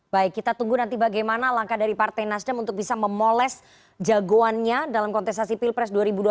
baik kita tunggu nanti bagaimana langkah dari partai nasdem untuk bisa memoles jagoannya dalam kontestasi pilpres dua ribu dua puluh